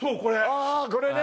あぁこれね。